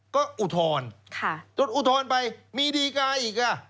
ก็อุทธรณ์จนอุทธรณ์ไปมีดีกาอีก